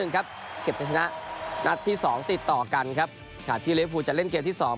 ครับเขตจะชนะนัดที่สองติดต่อกันครับค่ะที่เลฟฟูจะเล่นเกมที่สอง